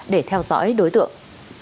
để theo dõi đối tượng